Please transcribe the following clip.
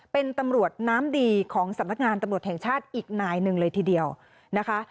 เป็นตำรวจน้ำดีของสำนักงานตำรวจแห่งชาติอีกนายหนึ่งเลยทีเดียวนะคะ